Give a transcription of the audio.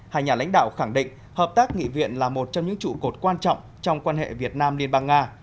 hai nhà lãnh đạo khẳng định hợp tác nghị viện là một trong những trụ cột quan trọng trong quan hệ việt nam liên bang nga